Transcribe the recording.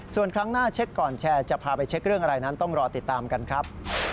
ส่วนครั้งหน้าเช็คก่อนแชร์จะพาไปเช็คเรื่องอะไรนั้นต้องรอติดตามกันครับ